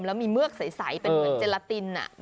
แล้วมีเือกใสเป็นเหมือนเจลาติน